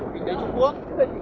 kinh tế trung quốc